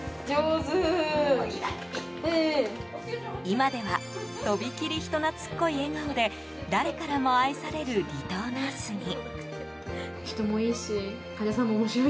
今ではとびきり人懐っこい笑顔で誰からも愛される離島ナースに。